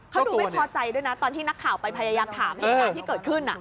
เขาดูไม่พอใจด้วยนะตอนที่นักข่าวไปพยายามถามเหตุการณ์ที่เกิดขึ้น